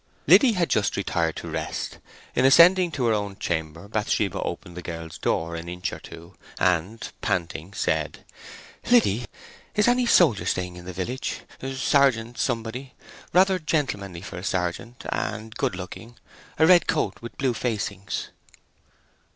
Liddy had just retired to rest. In ascending to her own chamber, Bathsheba opened the girl's door an inch or two, and, panting, said— "Liddy, is any soldier staying in the village—sergeant somebody—rather gentlemanly for a sergeant, and good looking—a red coat with blue facings?"